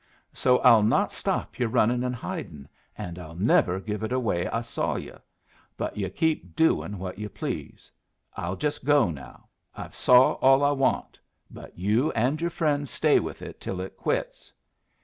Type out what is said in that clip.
So I'll not stop yu' runnin' and hidin', and I'll never give it away I saw yu', but yu' keep doin' what yu' please. I'll just go now. I've saw all I want, but you and your friends stay with it till it quits.